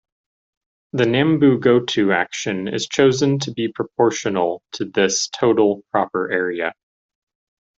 The Nambu-Goto action is chosen to be proportional to this total proper area.